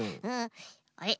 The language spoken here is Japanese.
あれ？